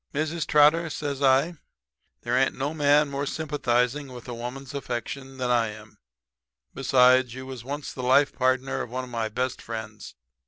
"'Mrs. Trotter,' says I, 'there's no man more sympathizing with a woman's affections than I am. Besides, you was once the life partner of one of my best friends.